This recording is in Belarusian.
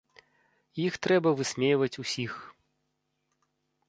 Іх трэба высмейваць усіх.